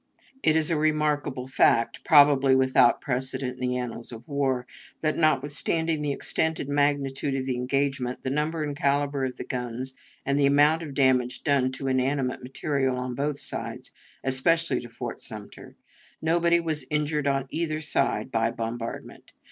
It is a remarkable fact probably without precedent in the annals of war that, notwithstanding the extent and magnitude of the engagement, the number and caliber of the guns, and the amount of damage done to inanimate material on both sides, especially to Fort Sumter, nobody was injured on either side by the bombardment.